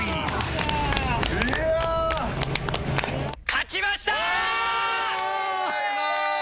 勝ちました！